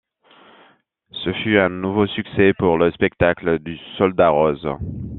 Ce fut un nouveau succès pour le spectacle du Soldat Rose.